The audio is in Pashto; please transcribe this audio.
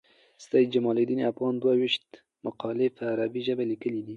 سید جمال الدین افغان دوه ویشت مقالي په عربي ژبه لیکلي دي.